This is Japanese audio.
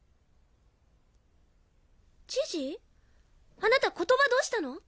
あなた言葉どうしたの？